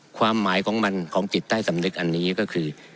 ความหมายของมันของจิตใต้สำนึกอันนี้ก็คือ